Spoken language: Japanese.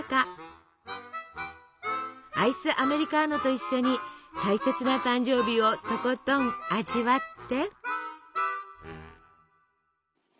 アイスアメリカーノと一緒に大切な誕生日をとことん味わって！